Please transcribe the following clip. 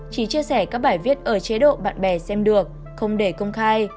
chỉ chia sẻ các bài viết ở chế độ bạn bè xem được không để công khai